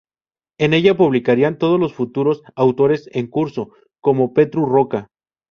En ella publicarían todos los futuros autores en corso, como Petru Rocca.